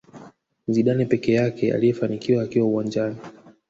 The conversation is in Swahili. Zidane peke yake aliyefanikiwa akiwa uwanjani